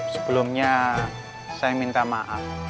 sebelumnya saya minta maaf